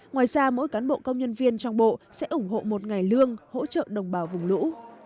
ngoài ra mỗi cán bộ công nhân viên trong bộ sẽ ủng hộ một ngày lương hỗ trợ đồng bào vùng lũ